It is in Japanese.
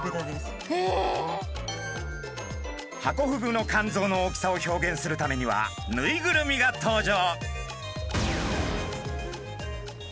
ハコフグの肝臓の大きさを表現するためにはぬいぐるみが登場。